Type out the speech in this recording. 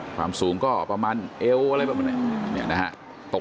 ความสูงก็ประมาณเอวอะไรประมาณนี้นะฮะ